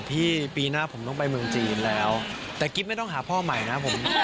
ปีหน้าผมต้องไปเมืองจีนแล้วแต่กิ๊บไม่ต้องหาพ่อใหม่นะผม